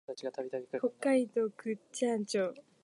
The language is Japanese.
北海道倶知安町